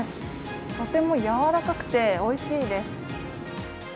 とてもやわらかくておいしいです。